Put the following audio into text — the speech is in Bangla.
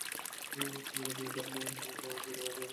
কেননা আমি এ ধর্ম দুটিতে এমন কিছু পাইনি যার উপর নিশ্চিন্ত হওয়া যায়।